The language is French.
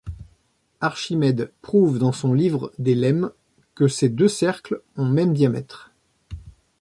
Archimède prouve dans son livre des lemmes que ces deux cercles ont même diamètre.